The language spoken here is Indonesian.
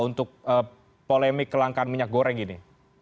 untuk polemik kelangkaan minyak goreng ini